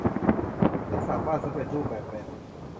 ฉันสั่งบ้านสำเร็จรูปแบบแบน